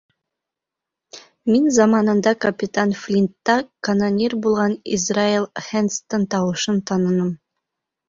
Мин заманында капитан Флинтта канонир булған Израэль Хэндстың тауышын таныным.